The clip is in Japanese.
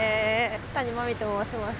谷真海と申します。